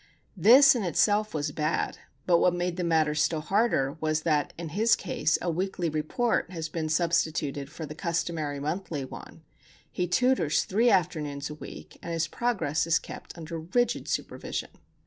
This, in itself, was bad; but what made the matter still harder was that in his case a weekly report has been substituted for the customary monthly one; he tutors three afternoons a week; and his progress is kept under rigid supervision.